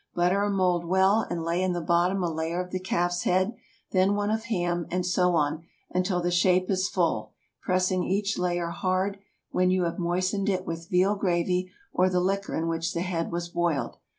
Butter a mould well, and lay in the bottom a layer of the calf's head, then one of ham, and so on until the shape is full, pressing each layer hard, when you have moistened it with veal gravy or the liquor in which the head was boiled.